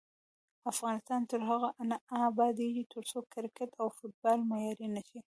افغانستان تر هغو نه ابادیږي، ترڅو کرکټ او فوټبال معیاري نشي.